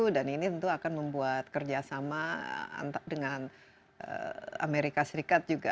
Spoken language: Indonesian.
ini tentu akan membuat kerjasama dengan amerika serikat juga